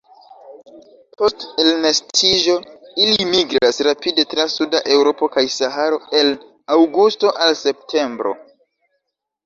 Post elnestiĝo ili migras rapide tra suda Eŭropo kaj Saharo el aŭgusto al septembro.